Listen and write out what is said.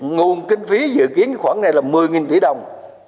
nguồn kinh phí dự kiến khoảng này là một mươi tỷ đồng